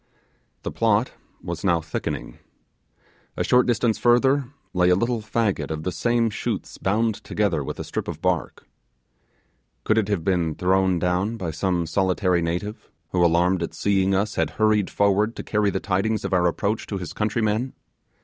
The plot was now thickening. A short distance further lay a little faggot of the same shoots bound together with a strip of bark. Could it have been thrown down by some solitary native, who, alarmed at seeing us, had hurried forward to carry the tidings of our approach to his countrymen?